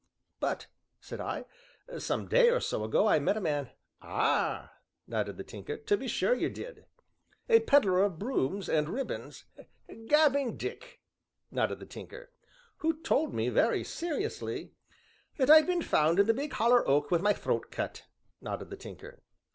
"But," said I, "some day or so ago I met a man " "Ah!" nodded the Tinker, "to be sure you did." "A pedler of brooms, and ribands " "'Gabbing' Dick!" nodded the Tinker. "Who told me very seriously " "That I'd been found in the big holler oak wi' my throat cut," nodded the Tinker.